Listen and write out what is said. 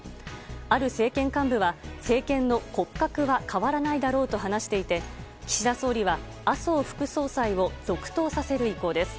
ある政権幹部は政権の骨格は変わらないだろうと話していて岸田総理は麻生副総裁を続投させる意向です。